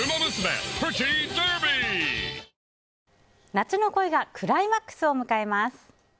夏の恋がクライマックスを迎えます。